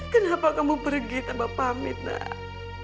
kenapa kamu pergi tanpa pamit nak